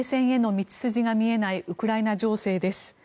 午後は停戦への道筋が見えないウクライナ情勢です。